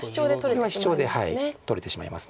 これはシチョウで取れてしまいます